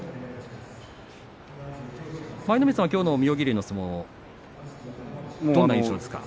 舞の海さんはきょうの妙義龍の相撲は、どんな印象ですか？